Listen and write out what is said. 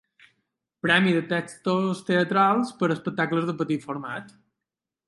Premi de textos teatrals per a espectacles de petit format.